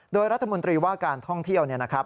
โดยรัฐมนตรีว่าการท่องเที่ยวเนี่ยนะครับ